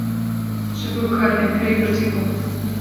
ji bo karnekirî birçî bûm.